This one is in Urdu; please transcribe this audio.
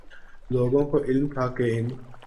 لوگوں کو علم تھا کہ ان